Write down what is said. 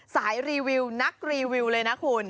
รีวิวนักรีวิวเลยนะคุณ